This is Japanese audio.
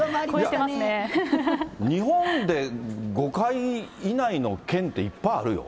日本で５回以内の県って、いっぱいあるよ。